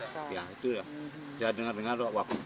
saya dengar dengar waktu